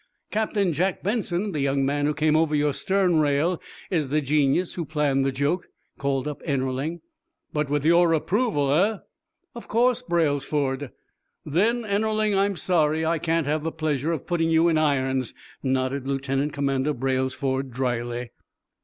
"Captain John Benson, the young man who came over your stern rail, is the genius who planned the joke," called up Ennerling. "But with your approval, eh?" "Of course, Braylesford." "Then, Ennerling, I'm sorry I can't have the pleasure of putting you in irons," nodded Lieutenant Commander Braylesford, dryly.